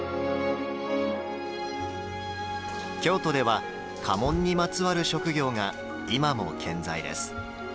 京都では家紋にまつわる職業が今も健在です。